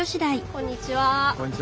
こんにちは。